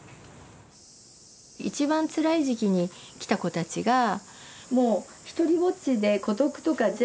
一番つらい時期に来た子たちがもう独りぼっちで孤独とかとはもう全然違うって。